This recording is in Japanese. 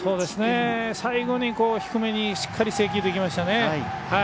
最後に低めにしっかり制球できましたね。